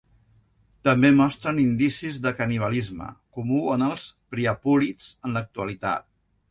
També mostren indicis de canibalisme, comú en els priapúlids en l'actualitat.